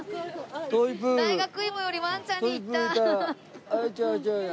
大学芋よりワンちゃんにいった。